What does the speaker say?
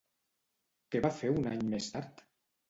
Què va fer un any més tard?